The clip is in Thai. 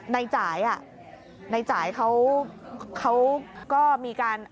ในจ่ายอ่ะในจ่ายเขาก็มีการ